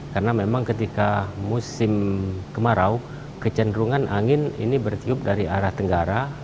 karena memang ketika musim kemarau kecenderungan angin ini bertiup dari arah tenggara